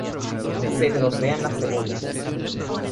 Se trocean las cebollas.